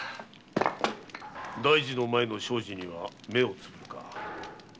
大事の前の小事には目を瞑るか。